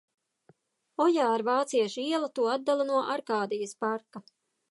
Ojāra Vācieša iela to atdala no Arkādijas parka.